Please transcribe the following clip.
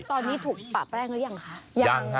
ตอนนี้ถูกปะแป้งหรือยังคะ